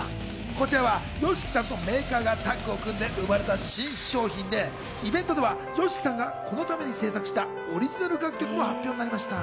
こちらはＹＯＳＨＩＫＩさんとメーカーがタッグを組んで生まれた新商品で、イベントではＹＯＳＨＩＫＩさんがこのために制作したオリジナル楽曲も発表になりました。